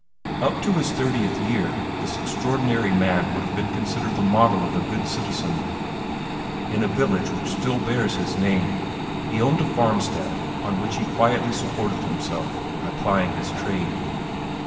Up to his thirtieth year this extraordinary man would have been considered the model of a good citizen. In a village which still bears his name, he owned a farmstead on which he quietly supported himself by plying his trade.